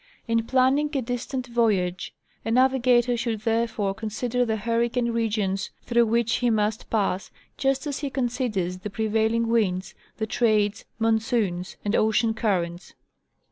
In planning a dis tant voyage a navigator should therefore consider the hurricane regions through which he must pass, just as he considers the pre vailing winds—the trades, monsoons, and ocean currents.